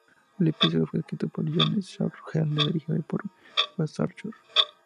El episodio fue escrito por John Swartzwelder y dirigido por Wes Archer.